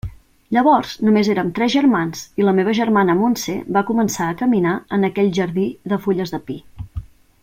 Llavors només érem tres germans i la meva germana Montse va començar a caminar en aquell jardí de fulles de pi.